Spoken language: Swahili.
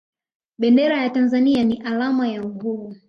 bendera ya tanzania ni alama ya uhuru